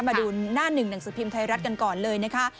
มาดูหน้าหนึ่งหนังสือพิมพ์ไทยรัฐกันก่อนเลยนะคะ